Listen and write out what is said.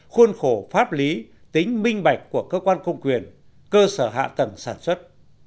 khuôn khổ pháp lý tính minh bạch của cơ quan công quyền cơ sở hạ tầng sản xuất